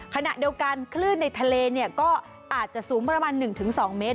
ขณะเดียวกันคลื่นในทะเลก็อาจจะสูงประมาณ๑๒เมตร